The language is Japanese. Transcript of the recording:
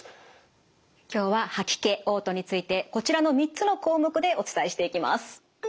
今日は吐き気・おう吐についてこちらの３つの項目でお伝えしていきます。